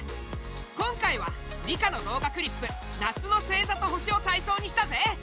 今回は理科の動画クリップ「夏の星ざと星」をたいそうにしたぜ！